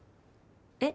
えっ？